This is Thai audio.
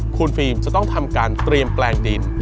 คุณฟิล์มจะต้องทำการเตรียมแปลงดิน